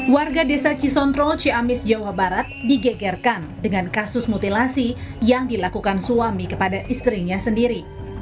warga desa cisontrol ciamis jawa barat digegerkan dengan kasus mutilasi yang dilakukan suami kepada istrinya sendiri